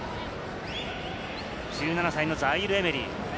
１７歳のザイール＝エメリ。